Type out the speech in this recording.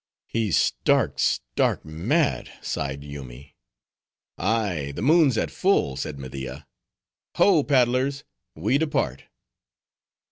"He's stark, stark mad!" sighed Yoomy. "Ay, the moon's at full," said Media. "Ho, paddlers! we depart."